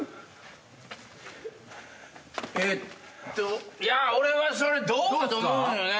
えっと俺はそれどうかと思うんよね。